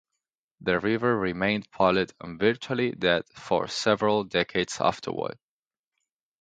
The river remained polluted and virtually dead for several decades afterward.